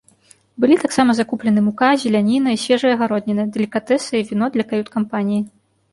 Былі таксама закуплены мука, зеляніна і свежая гародніна, далікатэсы і віно для кают-кампаніі.